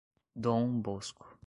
Dom Bosco